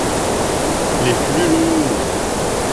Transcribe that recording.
Les plus longues.